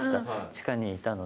地下にいたので。